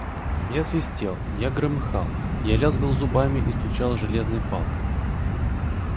Я свистел, я громыхал, я лязгал зубами и стучал железной палкой.